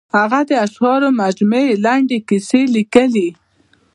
هغه د اشعارو مجموعې، لنډې کیسې لیکلي.